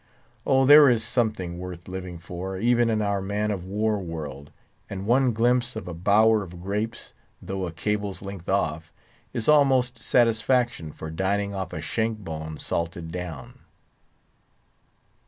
Oh! there is something worth living for, even in our man of war world; and one glimpse of a bower of grapes, though a cable's length off, is almost satisfaction for dining off a shank bone salted down.